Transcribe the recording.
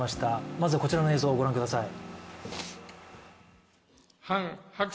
まずはこちらの映像をご覧ください。